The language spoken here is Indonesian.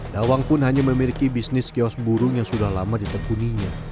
dawang pun hanya memiliki bisnis kios burung yang sudah lama ditekuninya